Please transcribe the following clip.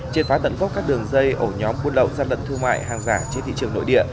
triệt phá tận gốc các đường dây ổ nhóm buôn lậu gian lận thương mại hàng giả trên thị trường nội địa